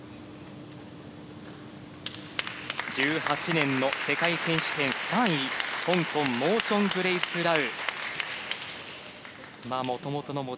１８年の世界選手権３位、香港、モー・ション・グレース・ラウ。